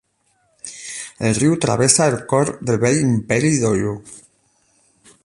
El riu travessa el cor del vell Imperi d'Oyo.